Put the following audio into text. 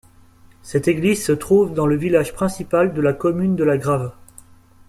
Cette église se trouve dans le village principal de la commune de La Grave.